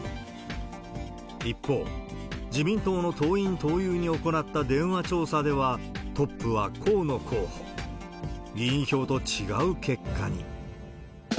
一方、自民党の党員・党友に行った電話調査では、トップは河野候補。議員票と違う結果に。